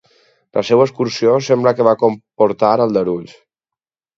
La seva execució sembla que va comportar aldarulls.